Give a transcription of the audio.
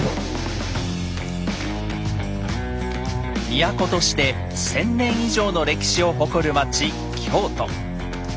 都として１，０００年以上の歴史を誇る町京都。